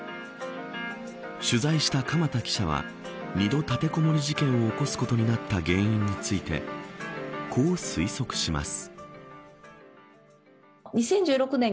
取材した鎌田記者は二度の立てこもり事件を起こすことになった原因についてこう推測します。